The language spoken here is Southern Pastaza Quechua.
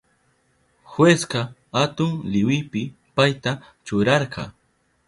Jueska atun liwipi payta churarka.